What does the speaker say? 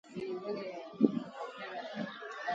جڏهيݩ ڀُٽي سآب ريٚ هڪومت آئيٚ۔